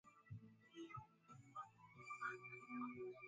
Simu langu halina laini